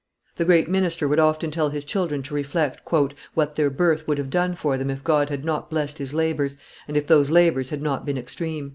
The great minister would often tell his children to reflect "what their birth would have done for them if God had not blessed his labors, and if those labors had not been extreme."